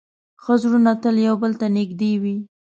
ښه زړونه تل یو بل ته نږدې وي.